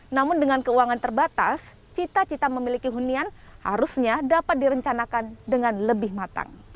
namun dengan keuangan terbatas cita cita memiliki hunian harusnya dapat direncanakan dengan lebih matang